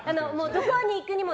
どこに行くにも？